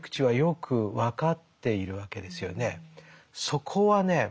そこはね